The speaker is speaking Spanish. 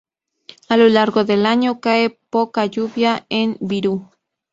A lo largo del año, cae poca lluvia en Virú.